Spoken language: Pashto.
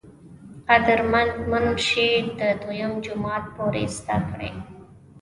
قدر مند منشي د دويم جمات پورې زدکړې